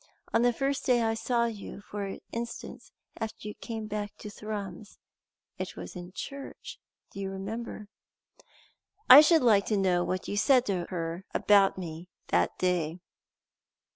On the first day I saw you, for instance, after you came back to Thrums. It was in church. Do you remember?" "I should like to know what you said to her about me that day."